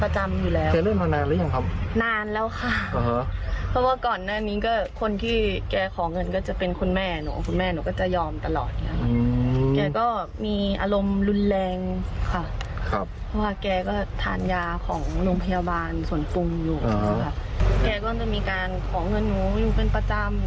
ฉนู้อยู่เป็นประจำอยู่เนี่ยค่ะก็เยอะ